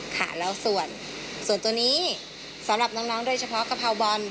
ค่ะแล้วส่วนตัวนี้สำหรับน้องโดยเฉพาะกะเพราบอล